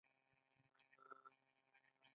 د نيويارک شتمن کسان بايد ستړي نه شي.